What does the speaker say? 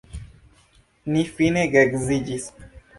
Ni fine geedziĝis.